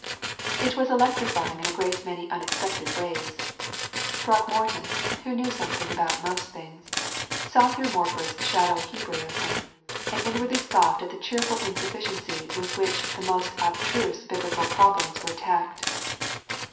It was electrifying in a great many unexpected ways. Throckmorton, who knew something about most things, saw through Morford's shallow Hebraism, and inwardly scoffed at the cheerful insufficiency with which the most abstruse biblical problems were attacked.